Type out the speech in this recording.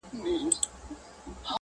تر تا څو چنده ستا د زني عالمگير ښه دی